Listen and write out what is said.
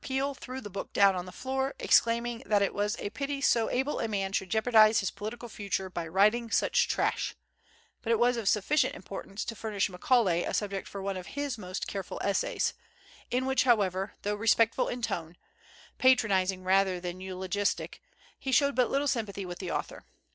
Peel threw the book down on the floor, exclaiming that it was a pity so able a man should jeopardize his political future by writing such trash; but it was of sufficient importance to furnish Macaulay a subject for one of his most careful essays, in which however, though respectful in tone, patronizing rather than eulogistic, he showed but little sympathy with the author.